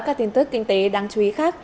các tin tức kinh tế đáng chú ý khác